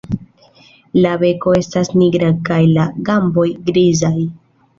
La beko estas nigra kaj la gamboj grizaj.